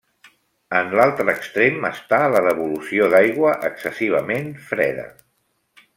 En l'altre extrem està la devolució d'aigua excessivament freda.